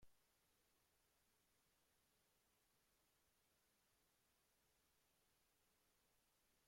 Dichos percances ocasionaron la cancelación de algunas pruebas en el inicio del campeonato.